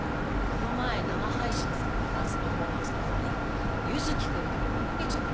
この前生配信されたダンスパフォーマンスの時ユズキくんって子がこけちゃったのね。